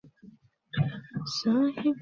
তিনি ছিলেন আকবরের সভাকবি ফৈজির কনিষ্ঠ ভ্রাতা।